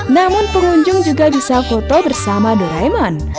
namun pengunjung juga bisa foto bersama doraemon